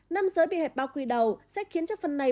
năm giới bị hẹp bao quy đầu sẽ khiến chất phần này